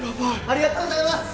ありがとうございます！